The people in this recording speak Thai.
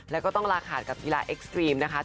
แล้วก็ต้องลาขาดกับกีฬาเอ็กซ์ตรีมนะคะ